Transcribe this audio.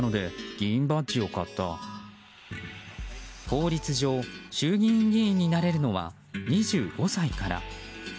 法律上、衆議院議員になれるのは２５歳から。